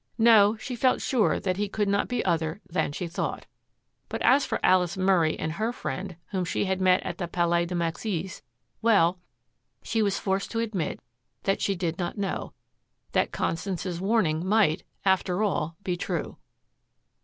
No, she felt sure that he could not be other than she thought. But as for Alice Murray and her friend whom she had met at the Palais de Maxixe well, she was forced to admit that she did not know, that Constance's warning might, after all, be true.